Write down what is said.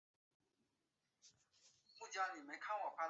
乌索兄弟是由吉米跟杰两个双胞胎组成。